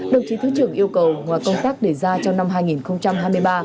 đồng chí thủy trưởng yêu cầu ngoài công tác đề ra trong năm hai nghìn hai mươi ba